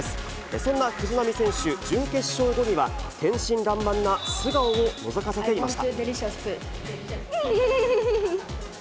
そんな藤波選手、準決勝後には、天真らんまんな素顔をのぞかせていました。